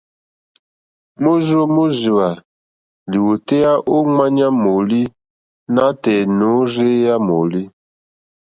Môrzô mórzìwà lìwòtéyá ô ŋwáɲá mòòlî nátɛ̀ɛ̀ nôrzéyá mòòlí.